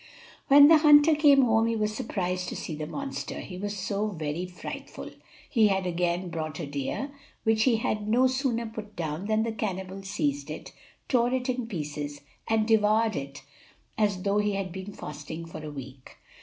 When the hunter came home he was surprised to see the monster, he was so very frightful. He had again brought a deer, which he had no sooner put down than the cannibal seized it, tore it in pieces, and devoured it as though he had been fasting for a week.